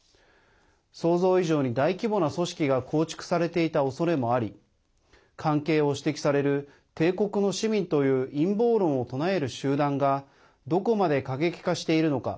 想像以上に大規模な組織が構築されていたおそれもあり関係を指摘される帝国の市民という陰謀論を唱える集団がどこまで過激化しているのか。